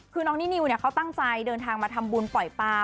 คือน้องนินิวเขาตั้งใจเดินทางมาทำบุญปล่อยปลา